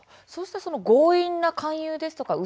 強引な勧誘ですとかう